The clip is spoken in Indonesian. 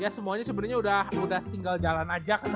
ya semuanya sebenernya udah tinggal jalan aja katanya